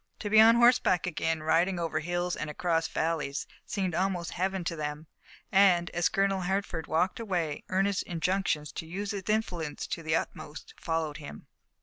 To be on horseback again, riding over hills and across valleys, seemed almost Heaven to them, and, as Colonel Hertford walked away, earnest injunctions to use his influence to the utmost followed him.